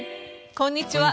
こんにちは。